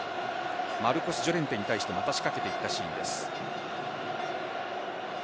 マルコスジョレンテに対してまた仕掛けていったシーンです。